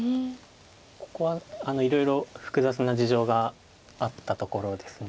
ここはいろいろ複雑な事情があったところですね。